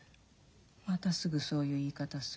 またすぐそういう言い方する。